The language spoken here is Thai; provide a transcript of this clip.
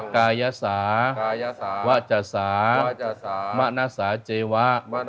กายสาวะจสามะนสาเจวะ